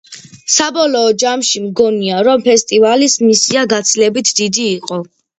საბოლოო ჯამში, მგონია, რომ ფესტივალის მისია გაცილებით დიდი იყო.